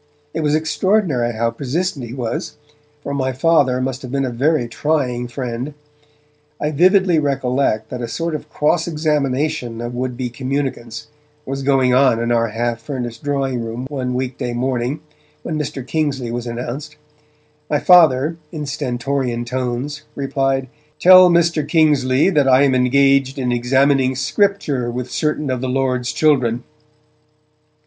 It was extraordinary how persistent he was, for my Father must have been a very trying friend. I vividly recollect that a sort of cross examination of would be communicants was going on in our half furnished drawing room one weekday morning, when Mr. Kingsley was announced; my Father, in stentorian tones, replied: 'Tell Mr. Kingsley that I am engaged in examining Scripture with certain of the Lord's children.'